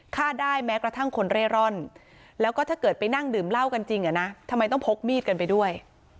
ฆ่าได้แม้กระทั่งคนเร่ร่อนแล้วก็ถ้าเกิดไปนั่งดื่มเหล้ากันจริงทำไมต้องพกมีดกันไปด้วย